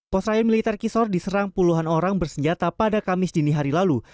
pos rail militer kisor diserang puluhan orang bersenjata pada kamis dini hari lalu